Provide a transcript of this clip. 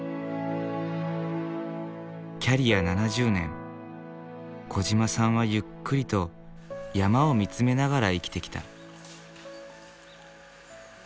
キャリア７０年小嶋さんはゆっくりと山を見つめながら生きてきた。